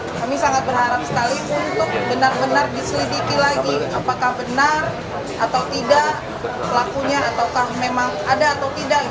kami sangat berharap sekali untuk benar benar diselidiki lagi apakah benar atau tidak pelakunya ataukah memang ada atau tidak